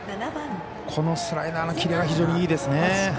このスライダーのキレは非常にいいですね。